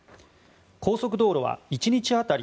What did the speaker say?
高速道路は１日当たり